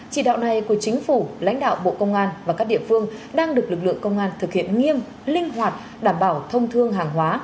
chỉ đạo này của chính phủ lãnh đạo bộ công an và các địa phương đang được lực lượng công an thực hiện nghiêm linh hoạt đảm bảo thông thương hàng hóa